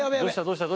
どうした？